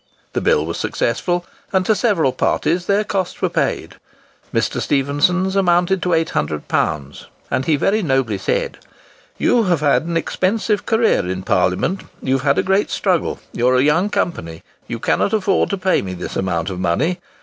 The Bill was successful, and to several parties their costs were paid. Mr. Stephenson's amounted to £800, and he very nobly said, "You have had an expensive career in Parliament; you have had a great struggle; you are a young Company; you cannot afford to pay me this amount of money.